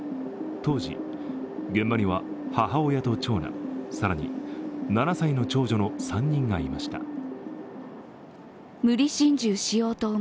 当時、現場には母親と長男、更に７歳の長女の３人がいました。